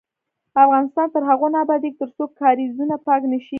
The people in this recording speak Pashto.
افغانستان تر هغو نه ابادیږي، ترڅو کاریزونه پاک نشي.